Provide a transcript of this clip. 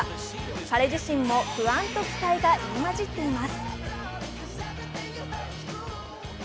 彼自身も不安と期待が入り混じっています。